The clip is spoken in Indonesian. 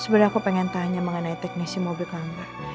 sebenernya aku pengen tanya mengenai teknisi mobil ke angga